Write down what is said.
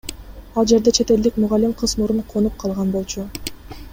Ал жерде чет элдик мугалим кыз мурун конуп калган болчу.